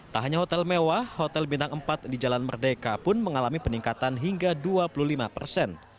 tak hanya hotel mewah hotel bintang empat di jalan merdeka pun mengalami peningkatan hingga dua puluh lima persen